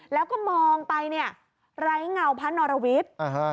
แล้วก็มองไปเนี้ยไร้เหงาพระนรวิทธิ์อะฮะ